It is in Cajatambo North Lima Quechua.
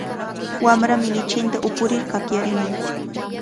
Wamrami lichinta upurir kakyarimun.